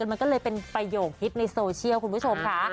มันก็เลยเป็นประโยคฮิตในโซเชียลคุณผู้ชมค่ะ